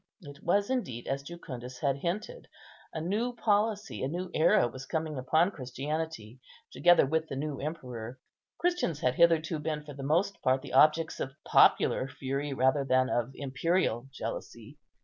It was indeed as Jucundus had hinted; a new policy, a new era was coming upon Christianity, together with the new emperor. Christians had hitherto been for the most part the objects of popular fury rather than of imperial jealousy.